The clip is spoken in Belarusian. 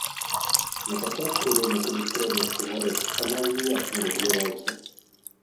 Напачатку рынак электронных цыгарэт амаль ніяк не рэгуляваўся.